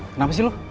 kenapa sih lu